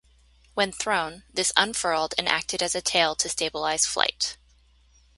When thrown this unfurled and acted as a tail to stabilize flight.